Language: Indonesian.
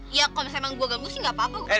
ya kalau misalnya emang gue ganggu sih gak apa apa